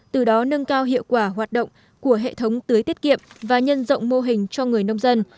từ đó nâng cao hiệu quả hoạt động của hệ thống tưới tiết kiệm và nhân rộng mô hình cho người nông dân